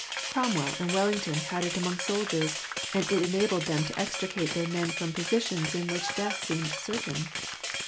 Cromwell and Wellington had it among soldiers, and it enabled them to extricate their men from positions in which death seemed certain.